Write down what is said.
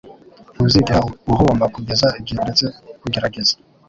Ntuzigera uhomba kugeza igihe uretse kugerageza.”